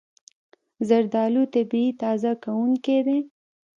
زردالو طبیعي تازه کوونکی دی.